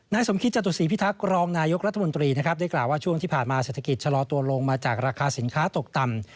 สมคิตจตุศีพิทักษ์รองนายกรัฐมนตรีนะครับได้กล่าวว่าช่วงที่ผ่านมาเศรษฐกิจชะลอตัวลงมาจากราคาสินค้าตกต่ำ